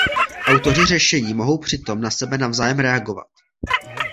Autoři řešení mohou přitom na sebe navzájem reagovat.